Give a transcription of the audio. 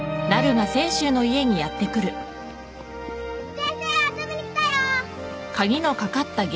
先生遊びに来たよ！